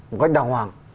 một cách đàng hoàng